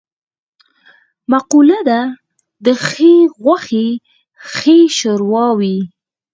مقوله ده: د ښې غوښې ښه شوروا وي.